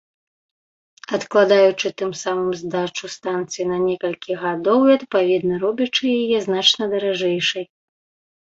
Адкладаючы тым самым здачу станцыі на некалькі гадоў і, адпаведна, робячы яе значна даражэйшай.